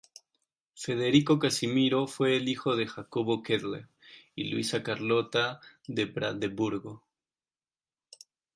Federico Casimiro fue el hijo de Jacobo Kettler y Luisa Carlota de Brandeburgo.